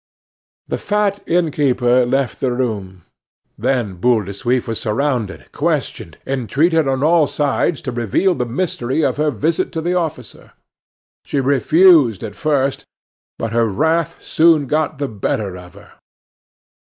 The fat innkeeper left the room. Then Boule de Suif was surrounded, questioned, entreated on all sides to reveal the mystery of her visit to the officer. She refused at first; but her wrath soon got the better of her.